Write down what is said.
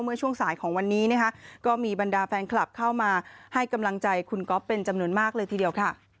เมื่อช่วงสายของวันนี้นะคะก็มีบรรดาแฟนคลับเข้ามาให้กำลังใจคุณก๊อฟเป็นจำนวนมากเลยทีเดียวค่ะ